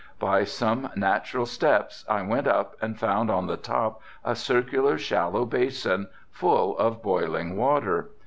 By some natural steps I went up and found on the top a circular, shallow basin full of boiling water.